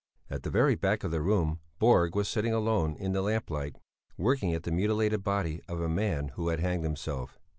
At the very back of the room Borg was sitting alone in the lamplight, working at the mutilated body of a man who had hanged himself.